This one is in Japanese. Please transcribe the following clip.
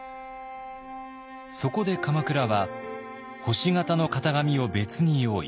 そこで鎌倉は星形の型紙を別に用意。